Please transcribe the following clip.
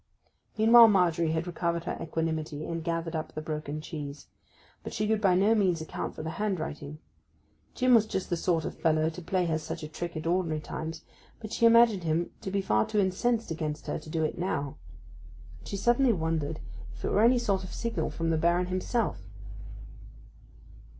Meanwhile Margery had recovered her equanimity, and gathered up the broken cheese. But she could by no means account for the handwriting. Jim was just the sort of fellow to play her such a trick at ordinary times, but she imagined him to be far too incensed against her to do it now; and she suddenly wondered if it were any sort of signal from the Baron himself.